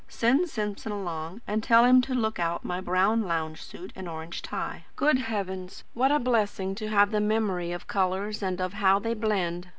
Send Simpson along; and tell him to look out my brown lounge suit and orange tie. Good heavens! what a blessing to have the MEMORY of colours and of how they blend!